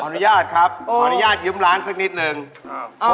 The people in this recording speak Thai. ขออนุญาตครับขออนุญาตเยิ้มร้านสักนิดหนึ่งอ้าว